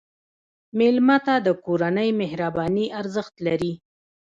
مېلمه ته د کورنۍ مهرباني ارزښت لري.